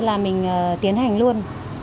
là mình tiến hành luôn